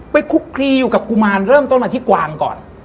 คุกคลีอยู่กับกุมารเริ่มต้นมาที่กวางก่อน